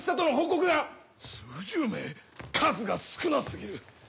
数が少な過ぎる。